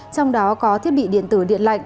trong đó có thiết bị điện tử điện lạnh